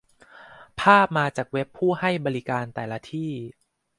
ภาพมาจากเว็บผู้ให้บริการแต่ละที่